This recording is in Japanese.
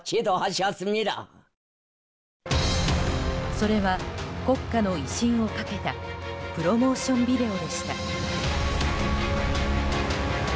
それは国家の威信をかけたプロモーションビデオでした。